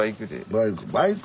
バイク。